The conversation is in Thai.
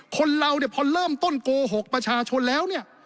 คนเราเนี่ยพอเริ่มต้นโกหกประชาชนแล้วเนี่ย